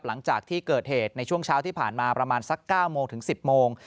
หลังจากที่เกิดเหตุในช่วงเช้าที่ผ่านมาประมาณสัก๙โมงถึง๑๐โมง